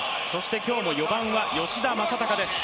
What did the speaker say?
今日の４番は吉田正尚です。